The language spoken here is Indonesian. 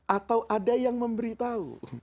atau ada yang memberi tahu